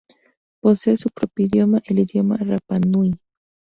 Posee su propio idioma el idioma rapanui.